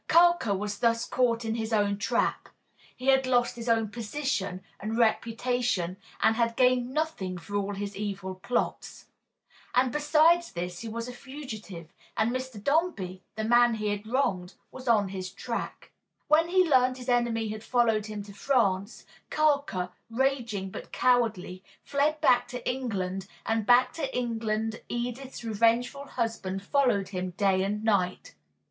Carker was thus caught in his own trap. He had lost his own position and reputation, and had gained nothing for all his evil plots. And besides this, he was a fugitive, and Mr. Dombey, the man he had wronged, was on his track. When he learned his enemy had followed him to France, Carker, raging, but cowardly, fled back to England; and back to England Edith's revengeful husband followed him day and night.